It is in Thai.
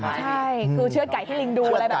ใช่คือเชื่อดไก่ให้ลิงดูอะไรแบบ